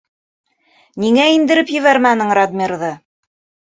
Ниңә индереп ебәрмәнең Радмирҙы?..